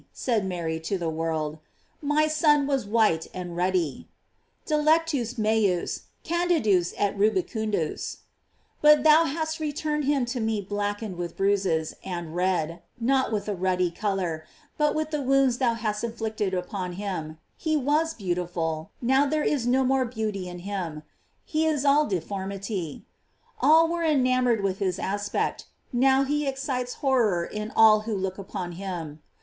said Mary to the world. My Son was white and ruddy: "Dilectus meus can didus et rubicundus:" but thou hast returned him to me blackened with bruises, and red, not with a ruddy color, but with the wounds thou hast inflicted upon him; he was beautiful, now there is no more beauty in him; he is all deformity. All were enamored with his aspect, now he ex cites horror in all who look upon him.